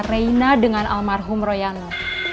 rena dengan almarhum royano